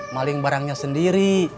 maling barangnya sendiri